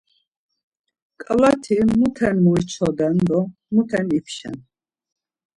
Ǩalati muten moyçoden do muten ipşen?